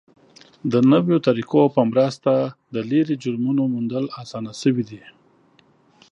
د نویو طریقو په مرسته د لرې جرمونو موندل اسانه شوي دي.